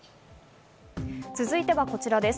続いてはこちらです。